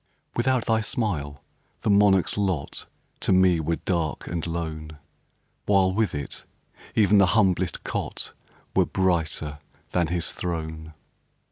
Without thy smile, the monarch's lot To me were dark and lone, While, with it, even the humblest cot Were brighter than his throne.